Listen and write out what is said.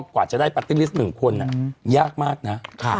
กว่าจะได้ปาร์ตี้ลิสต์๑คนยากมากนะ